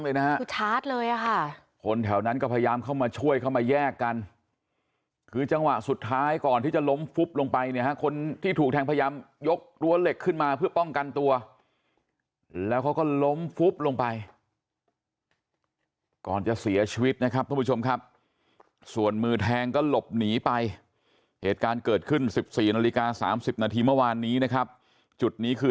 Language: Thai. เลยนะฮะคือชาร์จเลยอ่ะค่ะคนแถวนั้นก็พยายามเข้ามาช่วยเข้ามาแยกกันคือจังหวะสุดท้ายก่อนที่จะล้มฟุบลงไปเนี่ยฮะคนที่ถูกแทงพยายามยกรั้วเหล็กขึ้นมาเพื่อป้องกันตัวแล้วเขาก็ล้มฟุบลงไปก่อนจะเสียชีวิตนะครับทุกผู้ชมครับส่วนมือแทงก็หลบหนีไปเหตุการณ์เกิดขึ้นสิบสี่นาฬิกาสามสิบนาทีเมื่อวานนี้นะครับจุดนี้คือ